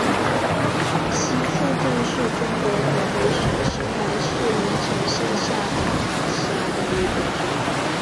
西竖镇是中国河北省邢台市临城县下辖的一个镇。